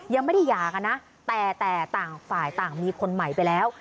ยังไม่ได้หย่ากันนะแต่ต่างฝ่ายต่างมีคนใหม่ไปแล้ว